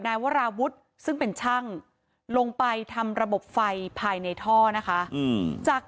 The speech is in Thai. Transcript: วราวุฒิซึ่งเป็นช่างลงไปทำระบบไฟภายในท่อนะคะจาก